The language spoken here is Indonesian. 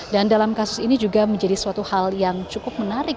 dan dalam kasus ini juga menjadi suatu hal yang cukup menarik